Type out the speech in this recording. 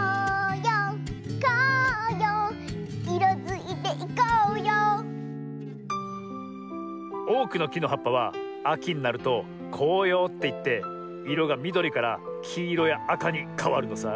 ようこうよういろづいていこうようおおくのきのはっぱはあきになると「こうよう」っていっていろがみどりからきいろやあかにかわるのさ。